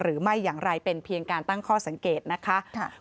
หรือไม่อย่างไรเป็นเพียงการตั้งข้อสังเกตนะคะ